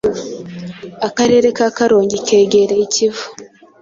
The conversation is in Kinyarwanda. Akarere ka Karongi kegereye ikivu